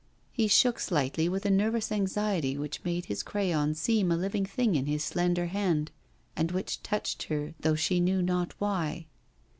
He shook slightly with a nervous anxiety which made his crayon seem a living thing in his slender hand, and which touched her though she knew not why.